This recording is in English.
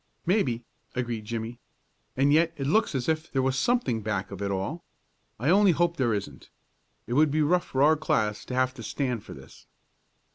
"Maybe," agreed Jimmie. "And yet it looks as if there was something back of it all. I only hope there isn't. It would be tough for our class to have to stand for this."